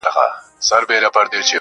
زه درته څه ووايم~